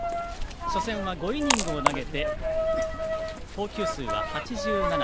初戦は５イニングを投げて投球数は８７。